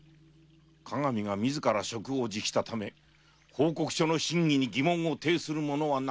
各務が自ら職を辞したため報告書の真偽に疑問を呈する者はなかったが。